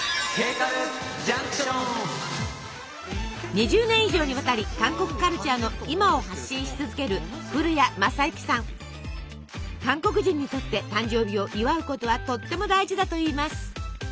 ２０年以上にわたり韓国カルチャーの今を発信し続ける韓国人にとって誕生日を祝うことはとっても大事だといいます。